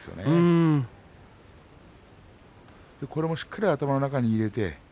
途中、しっかり頭の中に入れて。